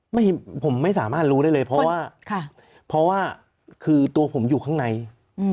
ไม่ผมไม่สามารถรู้ได้เลยเพราะว่าค่ะเพราะว่าคือตัวผมอยู่ข้างในอืม